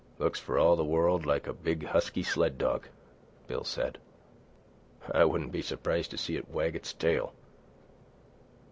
"Looks for all the world like a big husky sled dog," Bill said. "I wouldn't be s'prised to see it wag its tail."